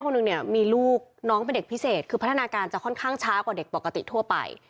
คนหนึ่งเนี่ยมีลูกน้องเป็นเด็กพิเศษคือพัฒนาการจะค่อนข้างช้ากว่าเด็กปกติทั่วไป